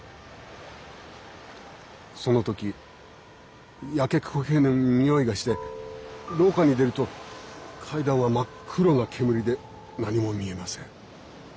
その時焼け焦げるにおいがして廊下に出ると階段は真っ黒な煙で何も見えません。